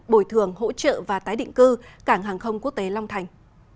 bồi thường hỗ trợ và tái định cư cảng hàng không quốc tế long thành